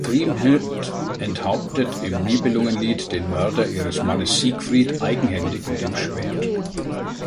Kriemhild enthauptet im Nibelungenlied den Mörder ihres Mannes Siegfried eigenhändig mit dem Schwert.